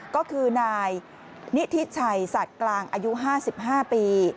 ก็คือนายนิธิชัยสัตว์กลางอายุ๕๕ปี